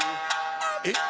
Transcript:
「えっ？